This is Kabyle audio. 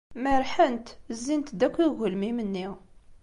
Merrḥent, zzint-d akk i ugelmim-nni.